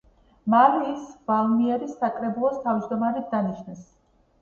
მალე ის ვალმიერის საკრებულოს თავმჯდომარედ დანიშნეს.